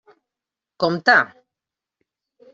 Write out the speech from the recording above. Compte!